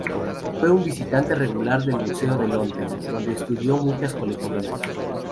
Fue un visitante regular del Museo de Londres, donde estudió muchas colecciones.